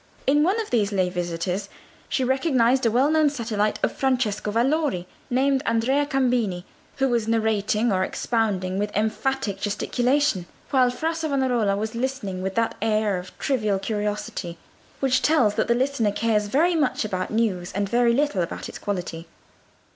In one of these lay visitors she recognised a well known satellite of Francesco Valori, named Andrea Cambini, who was narrating or expounding with emphatic gesticulation, while Fra Salvestro was listening with that air of trivial curiosity which tells that the listener cares very much about news and very little about its quality.